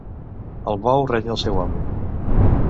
El bou renya el seu amo.